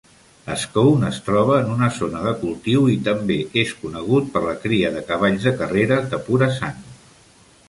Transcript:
Scone es troba en una zona de cultiu i també és conegut per la cria de cavalls de carreres de pura sang.